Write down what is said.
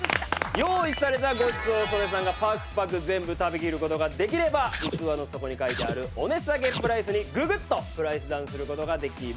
用意されたごちそうを曽根さんがパクパク全部食べきる事ができれば器の底に書いてあるお値下げプライスにググッとプライスダウンする事ができます。